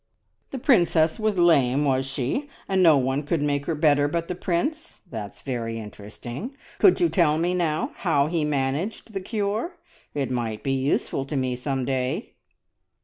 "The princess was lame, was she? and no one could make her better but the prince? That's very interesting. Could you tell me, now, how he managed the cure? It might be useful to me someday."